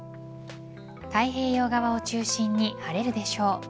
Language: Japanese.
太平洋側を中心に晴れるでしょう。